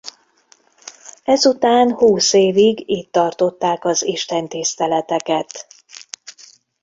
Ezután húsz évig itt tartották az istentiszteleteket.